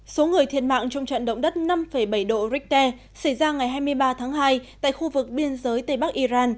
số người thiệt mạng trong trận động đất năm bảy độ richter xảy ra ngày hai mươi ba tháng hai tại khu vực biên giới tây bắc iran